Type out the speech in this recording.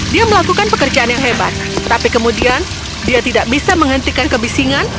dia melakukan pekerjaan yang hebat tapi kemudian dia tidak bisa menghentikan kebisingan